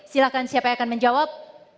silahkan siapa yang akan menjawab